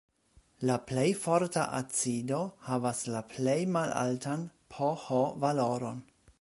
La plej forta acido havas la plej malaltan pH-valoron.